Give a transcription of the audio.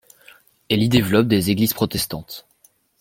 Elle y développe des églises protestantes.